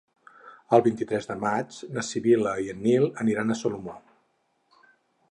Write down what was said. El vint-i-tres de maig na Sibil·la i en Nil aniran a Salomó.